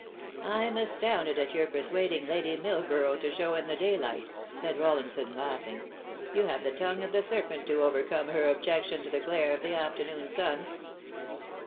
" I'm astounded at your persuading Lady Millborough to show in the daylight," said Rollinsou, laughing. " You have the 120 The Fatal ThreA. tongue of the serpent to overcome her objection to the glare of the afternoon sun."